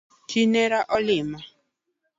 Chi nera olima